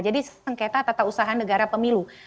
jadi sengketa tata usaha negara pemilu